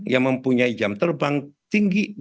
yang mempunyai jam terbang tinggi